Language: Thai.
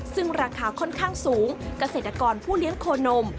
ซึ่งราคาค่อนข้างสูงเกษตรกรผู้เลี้ยงโคนม